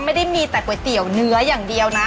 ไม่ได้มีแต่ก๋วยเตี๋ยวเนื้ออย่างเดียวนะ